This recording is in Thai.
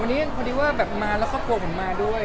วันนี้พอดีว่าแบบมาแล้วครอบครัวผมมาด้วย